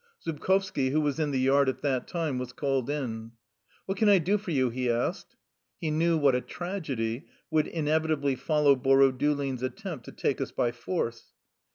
Zubkovski, who was in the yard at that time, was called in. "What can I do for you?" he asked. He knew what a tragedy would inevitably follow Borodulin's attempt to take us by force.